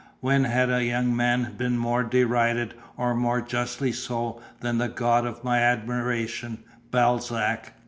When had a young man been more derided (or more justly so) than the god of my admiration, Balzac?